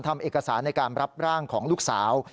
ทำเอกสารในการรับร่างของลูกสาว